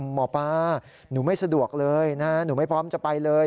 หมอปลาหนูไม่สะดวกเลยนะหนูไม่พร้อมจะไปเลย